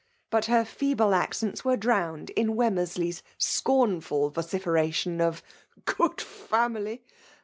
But her feeble accents were drowned in Wemmorsley s scornful vociferation of " Good family